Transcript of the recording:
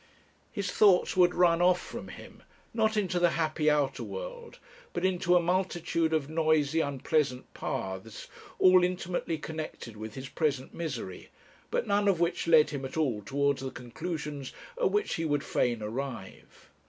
His thoughts would run off from him, not into the happy outer world, but into a multitude of noisy, unpleasant paths, all intimately connected with his present misery, but none of which led him at all towards the conclusions at which he would fain arrive.